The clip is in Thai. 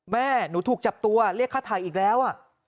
แม่หนูถูกจับตัวเรียกค่าถ่ายอีกแล้ว